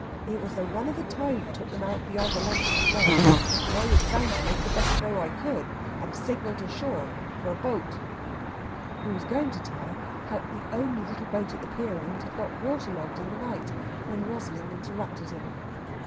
It was the run of the tide took them out beyond the length of the line, and I was bound to make the best throw I could, and signal to shore for a boat." He was going to tell how the only little boat at the pier end had got water logged in the night, when Rosalind interrupted him.